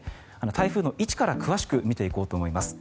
台風の位置から詳しく見ていこうと思います。